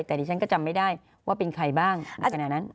แต่ดิฉันก็จำไม่ได้ว่าเป็นใครบ้างลักษณะนั้น